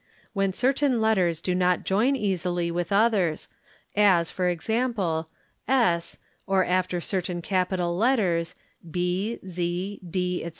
When certain letters do not join easily with others as e.g., 8 or after certain capital letters, B, Z, D, etc.